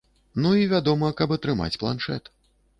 Ну і, вядома, каб атрымаць планшэт.